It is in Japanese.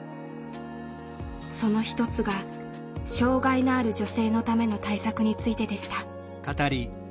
その一つが「障害のある女性」のための対策についてでした。